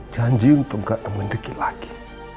janji untuk gak temen riki lagi